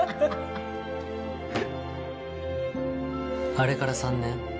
あれから３年。